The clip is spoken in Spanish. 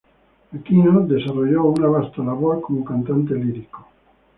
Aquino desarrolló una vasta labor como cantante lírico.